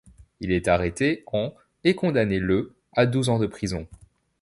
Il est arrêté en et condamné le à douze ans de prison.